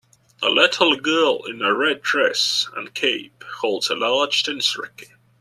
A little girl in a red dress and cape holds a large tennis racquet.